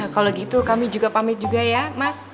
kalau gitu kami juga pamit juga ya mas